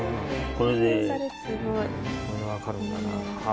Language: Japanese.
これで分かるんだな。